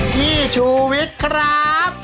พี่ชูวิทย์ครับ